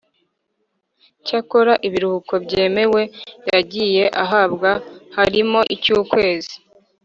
Cyakora ibiruhuko byemewe yagiye ahabwa harimo icyukwezi